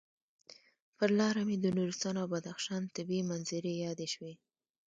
پر لاره مې د نورستان او بدخشان طبعي منظرې یادې شوې.